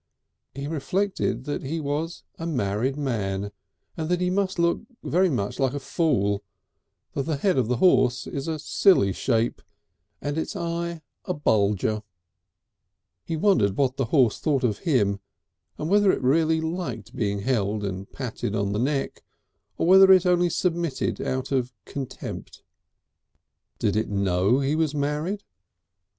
He reflected that he was a married man, that he must look very like a fool, that the head of a horse is a silly shape and its eye a bulger; he wondered what the horse thought of him, and whether it really liked being held and patted on the neck or whether it only submitted out of contempt. Did it know he was married?